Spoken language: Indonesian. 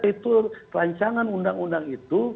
itu rancangan undang undang itu